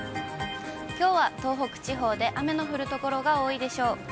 きょうは東北地方で雨の降る所が多いでしょう。